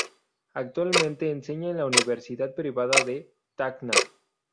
Actualmente enseña en la universidad privada de Tacna.